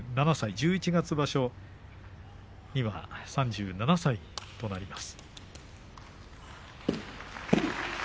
十一月場所には３７歳になります。